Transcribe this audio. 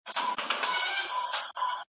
احمد شاه بابا ولې هرات ته پوځ ولېږه؟